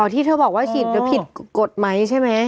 อ๋อที่เธอบอกว่าฉีดเธอผิดกฎไหมใช่ไหม